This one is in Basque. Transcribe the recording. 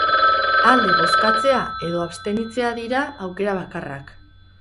Alde bozkatzea edo abstenitzea dira aukera bakarrak.